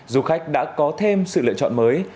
du khách đã có thêm sự lựa chọn mới